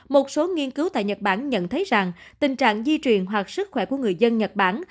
một số nghiên cứu tại nhật bản nhận thấy rằng tình trạng di truyền hoặc sức khỏe của người dân nhật bản